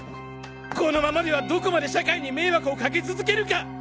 このままではどこまで社会に迷惑をかけ続けるか！